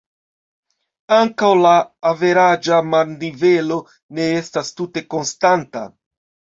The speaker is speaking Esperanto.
Ankaŭ la averaĝa marnivelo ne estas tute konstanta.